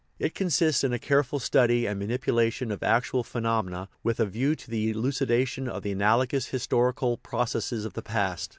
It consists in a careful study and manipula tion of actual phenomena with a view to the elucidation of the analogous historical processes of the past.